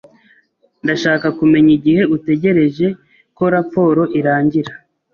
Ndashaka kumenya igihe utegereje ko raporo irangira.